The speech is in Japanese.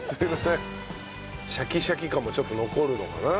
シャキシャキ感もちょっと残るのかな？